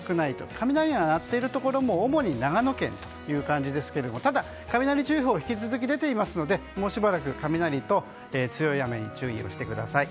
雷が鳴っているところも主に長野県という感じですがただ、雷注意報が引き続き、出ていますのでもうしばらく、雷と強い雨に注意をしてください。